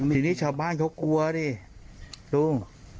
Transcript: ทีนี้ชาวบ้านเขากลัวดิลุง